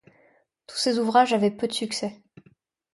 Tous ces ouvrages avaient peu de succès.